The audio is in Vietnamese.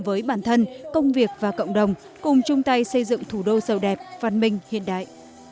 với bản thân công việc và cộng đồng cùng chung tay xây dựng thủ đô sầu đẹp văn minh hiện đại